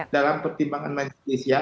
dalam pertimbangan majelis ya